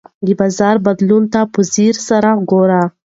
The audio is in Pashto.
د بازار بدلون ته په ځیر سره ګوره.